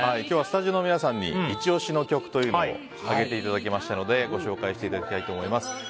今日はスタジオの皆さんにイチ押しの曲というのを挙げていただきましたのでご紹介していただきたいと思います。